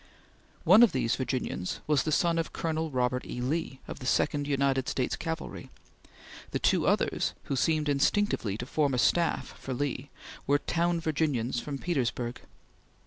One of the Virginians was the son of Colonel Robert E. Lee, of the Second United States Cavalry; the two others who seemed instinctively to form a staff for Lee, were town Virginians from Petersburg.